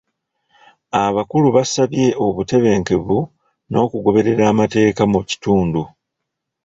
Abakulu basabye obutebenkevu n'okugoberera amateeka mu kitundu.